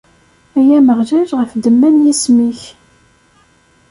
Ay Ameɣlal, ɣef ddemma n yisem-ik.